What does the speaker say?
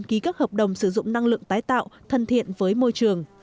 ký các hợp đồng sử dụng năng lượng tái tạo thân thiện với môi trường